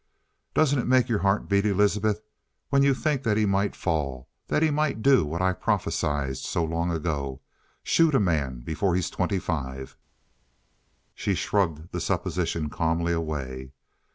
"Doesn't it make your heart beat, Elizabeth, when you think that he might fall that he might do what I prophesied so long ago shoot a man before he's twenty five?" She shrugged the supposition calmly away.